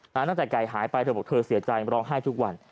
ตั้งแต่ไก่หายไปเธอบอกเธอเสียใจร้องไห้ทุกวัน